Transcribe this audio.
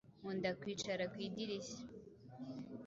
Nkunda kwicara ku idirishya.